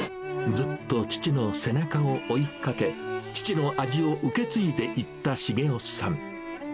ずっと父の背中を追いかけ、父の味を受け継いでいった茂夫さん。